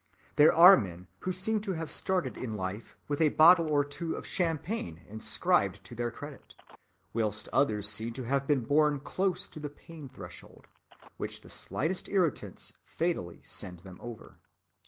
There are men who seem to have started in life with a bottle or two of champagne inscribed to their credit; whilst others seem to have been born close to the pain‐threshold, which the slightest irritants fatally send them over.